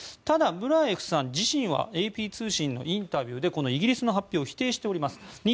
ただ、ムラエフさん自身はＡＰ通信のインタビューでイギリスの発表を否定しております。